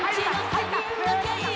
入った！